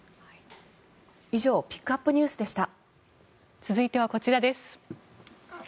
以上ピックアップＮＥＷＳでした。